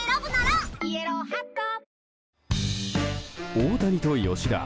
大谷と吉田。